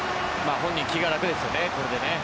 本人、気が楽ですね、これで。